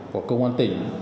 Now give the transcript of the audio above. của công an tỉnh